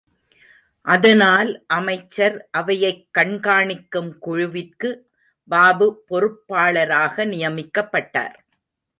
அதனால், அமைச்சர் அவையைக் கண்காணிக்கும் குழுவிற்கு பாபு பொறுப்பாளராக நியமிக்கப்பட்டார்.